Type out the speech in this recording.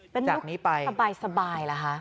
เป็นลุคสบายละฮะ